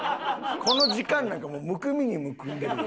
この時間なんかもうむくみにむくんでるよ。